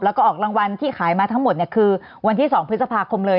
แล้วก็ออกรางวัลที่ขายมาทั้งหมดคือวันที่๒พฤษภาคมเลย